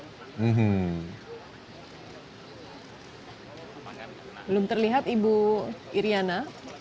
belum terlihat ibu iryana